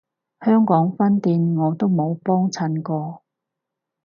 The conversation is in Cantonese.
香港分店我都冇幫襯過